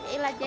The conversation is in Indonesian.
iya lah jen